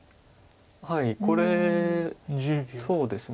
はいこれそうですね。